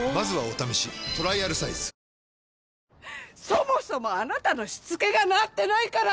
そもそもあなたのしつけがなってないから。